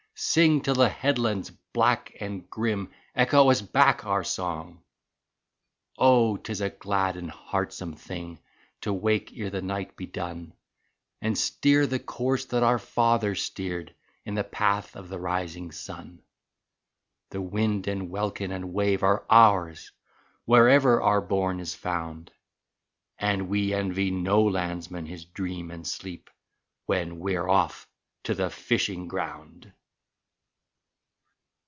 Sing till the headlands black and grim Echo us back our song! 25 Oh, *tis a glad and heartsome thing To wake ere the night be done And steer the course that our fathers steered In the path of the rising sun. The wind and welkin and wave are ours Wherever our bourne is found, And we envy no landsman his dream and sleep When we're off to the fishing ground.